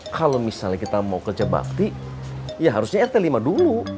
kalau misalnya kita mau kerja bakti ya harusnya rt lima dulu